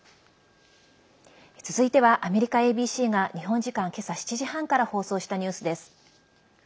続いてはアメリカＡＢＣが日本時間、今朝７時半から放送したニュースです。